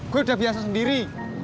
gue udah biasa sendiri